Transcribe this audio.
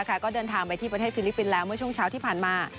ก็เดินทางไปที่ประเทศฟิลิปปินส์แล้วเมื่อช่วงเช้าที่ผ่านมา